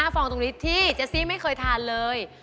ฟองตรงนี้ที่เจสซี่ไม่เคยทานเลย